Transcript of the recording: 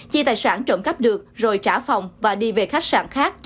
chia tài sản trộm cắp được rồi trả phòng và đi về khách sạn khác